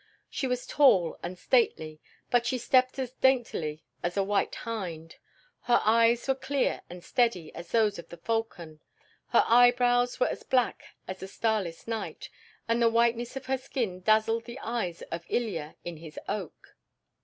She was tall and stately, but she stepped as daintily as a white hind. Her eyes were clear and steady as those of the falcon, her eyebrows were as black as a starless night, and the whiteness of her skin dazzled the eyes of Ilya in his oak.